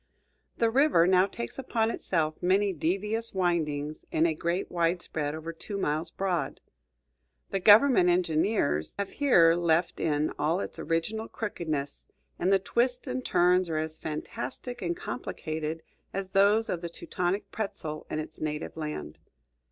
The river now takes upon itself many devious windings in a great widespread over two miles broad. The government engineers have here left it in all its original crookedness, and the twists and turns are as fantastic and complicated as those of the Teutonic pretzel in its native land.